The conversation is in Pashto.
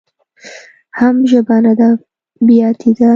حم ژبه نده بياتي ده.